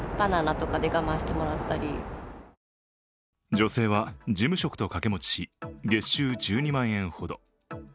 女性は事務職と掛け持ちし、月収１２万円ほど。